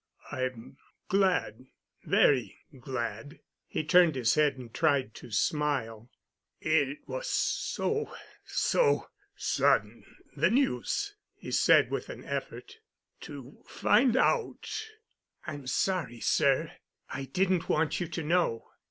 "I'm glad—very glad." He turned his head and tried to smile. "It was—so—so sudden—the news," he said with an effort, "to find out——" "I'm sorry, sir. I didn't want you to know."